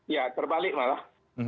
ya terbalik malah